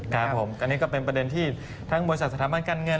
ครับผมอันนี้ก็เป็นประเด็นที่ทั้งบริษัทสถาบันการเงิน